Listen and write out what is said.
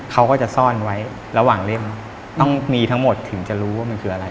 เขาก็จะซ่อนไว้ระหว่างเล่มต้องมีทั้งหมดถึงจะรู้ว่ามันคืออะไร